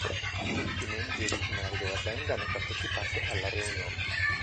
Tutti i membri originari della band hanno partecipato alla reunion.